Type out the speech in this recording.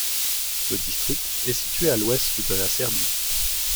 Le district est situé à l’ouest de la Serbie.